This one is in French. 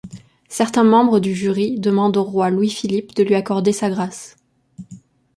Certains membres du jury demandent au roi Louis-Philippe de lui accorder sa grâce.